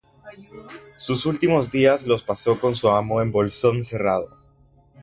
Sus últimos días los pasó con su amo en Bolsón Cerrado.